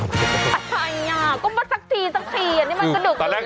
ก็สักทีสักทีนี่มันก็ดู่กันแล้ว